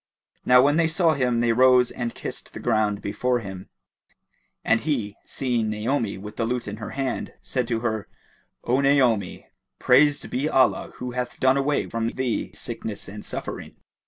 Now when they saw him, they rose and kissed the ground before him; and he, seeing Naomi with the lute in her hand, said to her, "O Naomi, praised be Allah who hath done away from thee sickness and suffering!"